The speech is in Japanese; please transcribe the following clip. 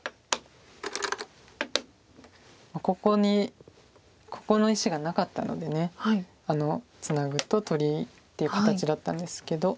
ここにここの石がなかったのでツナぐと取りっていう形だったんですけど。